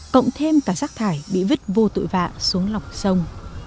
cộng thêm cả rác thải bị vứt vô tội vạ xuống lọc sông